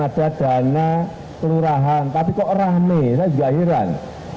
tiga tahun depan akan ada dana kelurahan tapi kok rame saya juga iran